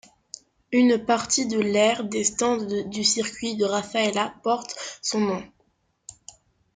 Une partie de l'aire des stands du circuit de Rafaela porte son nom.